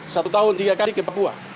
satu tahun tiga kali ke papua